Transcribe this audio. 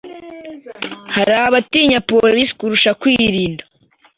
Hari abatinya police kurusha kwirinda